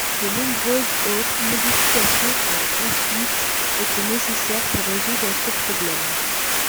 De nombreuses autres modifications ont ensuite été nécessaires pour résoudre ce problème.